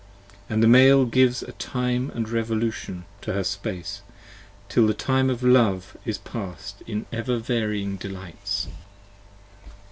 And the Male gives a Time & Revolution to her Space Till the time of love is passed in ever varying delights.